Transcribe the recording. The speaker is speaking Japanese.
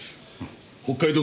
北海道